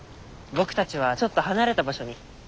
僕たちはちょっと離れた場所に。